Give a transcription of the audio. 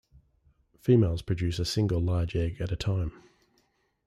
Females produce a single large egg at a time.